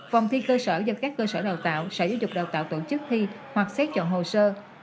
phòng thi cơ sở do các cơ sở đào tạo sở giáo dục đào tạo tổ chức thi hoặc xét chọn hồ sơ